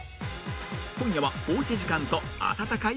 今夜はおうち時間と温かいうどん